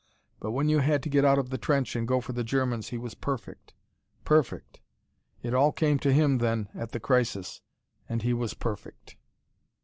But when you had to get out of the trench and go for the Germans he was perfect perfect It all came to him then, at the crisis, and he was perfect.